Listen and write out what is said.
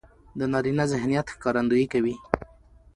د نارينه ذهنيت ښکارندويي کوي.